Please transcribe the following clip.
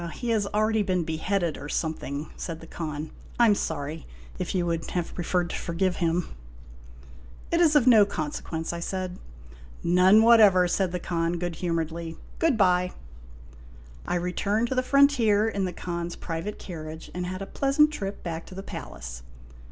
" He has already been beheaded, or something," said the Khan. " I 'm sorry, if you would have preferred to forgive him." " It is of no consequence," I said. " None whatever," said the Khan good humoredly. ". Good by." I returned to the frontier in the Khan's private carriage, and had a pleasant trip back to the palace.